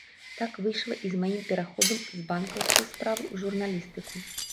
Так выйшла і з маім пераходам з банкаўскай справы ў журналістыку.